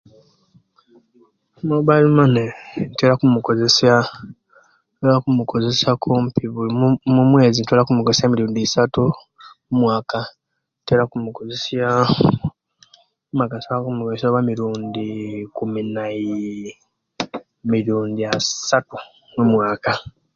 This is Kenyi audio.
Emobile mane ntera okumukolesya ntera okumukolesya kumpi omumwezi ntera okumukolesya emirundi isatu, omumaka ntera okumukolesya oba emirundi ikumi naiii emirundi asatu omumwaka